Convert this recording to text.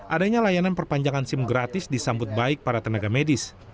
adanya layanan perpanjangan sim gratis disambut baik para tenaga medis